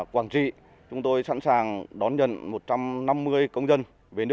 quảng trị sẵn sàng đón nhận một trăm năm mươi công dân